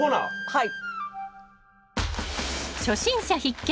はい。